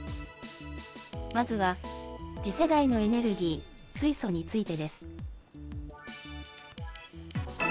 まずは次世代のエネルギー、水素についてです。